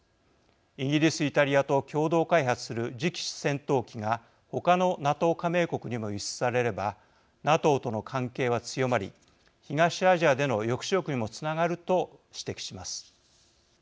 イギリス・イタリアと共同開発する次期戦闘機がほかのＮＡＴＯ加盟国にも輸出されればＮＡＴＯとの関係は強まり東アジアでの抑止力にもつながると指摘します。